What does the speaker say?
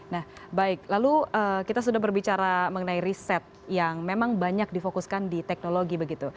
nah baik lalu kita sudah berbicara mengenai riset yang memang banyak difokuskan di teknologi begitu